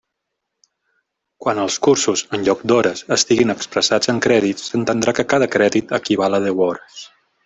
Quan els cursos, en lloc d'hores, estiguin expressats en crèdits, s'entendrà que cada crèdit equival a deu hores.